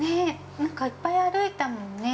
なんかいっぱい歩いたもんね。